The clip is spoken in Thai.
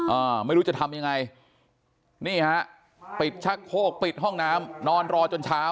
อ่าไม่รู้จะทำยังไงนี่ฮะปิดชักโคกปิดห้องน้ำนอนรอจนเช้า